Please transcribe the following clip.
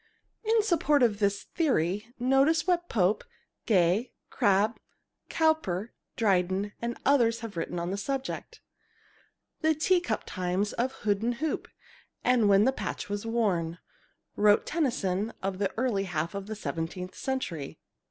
In support of this theory, notice what Pope, Gay, Crabbe, Cowper, Dryden, and others have written on the subject. "The tea cup times of hood and hoop, And when the patch was worn" wrote Tennyson of the early half of the seventeenth century.